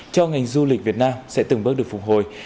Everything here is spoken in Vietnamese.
cho ngành du lịch việt nam sẽ từng bước được phục hồi